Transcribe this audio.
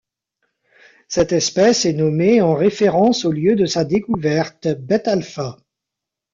Cette espèce est nommée en référence au lieu de sa découverte, Bet Alfa.